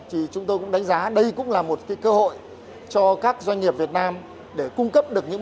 thì chúng tôi cũng đánh giá đây cũng là một cơ hội cho các doanh nghiệp việt nam để cung cấp được những